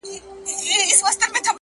د لېوني د ژوند سُر پر یو تال نه راځي،